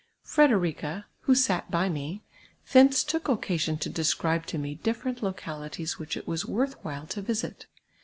Frederica, who sat by me, thence took occasion to describe to me dlifi rent localities which it was worth while to visit.